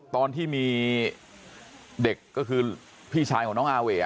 ตอนที่มีเด็กก็คือพี่ชายของน้องอาเว่